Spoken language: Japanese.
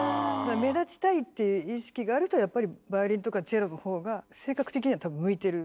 目立ちたいっていう意識があるとやっぱりバイオリンとかチェロのほうが性格的には多分向いてる。